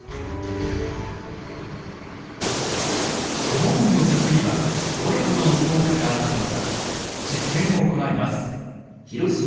知盛の策にはどれほどの効果があったのか実験を行います。